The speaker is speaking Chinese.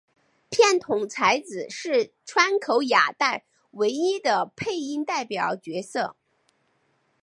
片桐彩子是川口雅代唯一的配音代表角色。